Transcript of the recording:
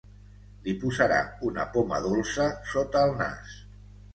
Li posarà una poma dolça sota el nas.